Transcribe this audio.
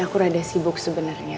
aku rada sibuk sebenernya